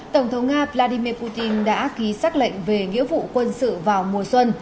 tổng thống nga vladimir putin đã ký xác lệnh về nghĩa vụ quân sự vào mùa xuân